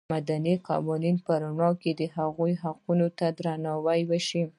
د مدني قوانینو په رڼا کې هغوی حقونو ته درناوی وشي.